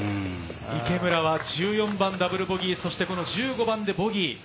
池村は１４番ダブルボギー、１５番でボギー。